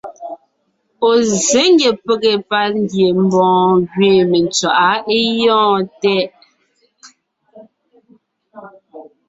Ɔ̀ zsé ngie pege pangiembɔɔn gẅiin mentswaʼá é gyɔ̂ɔn tɛʼ.